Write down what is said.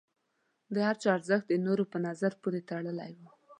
د هر چا ارزښت د نورو په نظر پورې تړلی و.